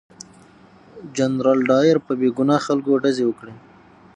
جنرال ډایر په بې ګناه خلکو ډزې وکړې.